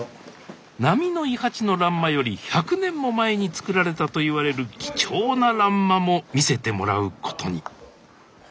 波の伊八の欄間より１００年も前に作られたといわれる貴重な欄間も見せてもらうことにスタジオ